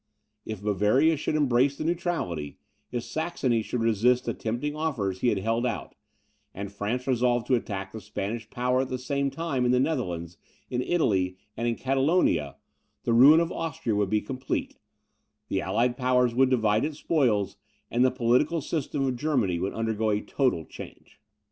If Bavaria should embrace the neutrality; if Saxony should resist the tempting offers he had held out; and France resolve to attack the Spanish power at the same time in the Netherlands, in Italy and in Catalonia, the ruin of Austria would be complete; the allied powers would divide its spoils, and the political system of Germany would undergo a total change.